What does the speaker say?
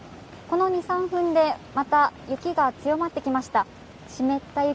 この２、３分でまた雪が強まってきました。